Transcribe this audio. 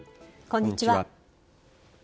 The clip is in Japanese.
こんにちは。